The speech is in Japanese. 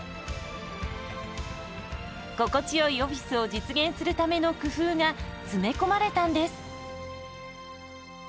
心地よいオフィスを実現するための工夫が詰め込まれたんです。